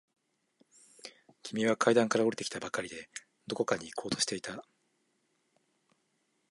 君は階段から下りてきたばかりで、どこかに行こうとしていた。